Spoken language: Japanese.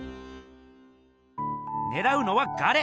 ねらうのは「ガレ」！